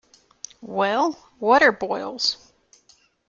Well, what are boils?